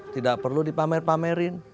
tidak perlu dipamer pamerin